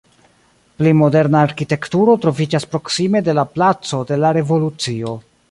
Pli moderna arkitekturo troviĝas proksime de la Placo de la Revolucio.